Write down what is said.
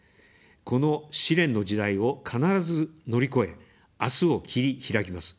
この試練の時代を必ず乗り越え、あすを切り拓きます。